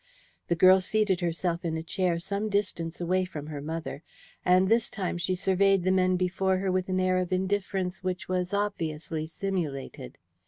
The girl seated herself in a chair some distance away from her mother, and this time she surveyed the men before her with an air of indifference which was obviously simulated.